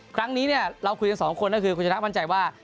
ครั้งนี้เราคุยกันสองคนคุณชายนักมั่นใจว่า